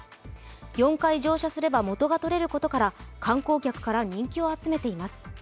４回乗車すれば元が取れることから観光客から人気を集めています。